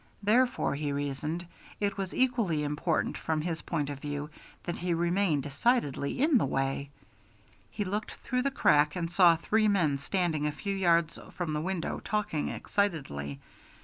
Therefore, he reasoned, it was equally important from his point of view that he remain decidedly in the way. He looked through the crack and saw three men standing a few yards from the window talking excitedly.